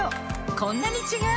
こんなに違う！